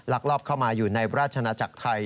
หลักลอบเข้ามาอยู่ในวราชนัจจักรไทย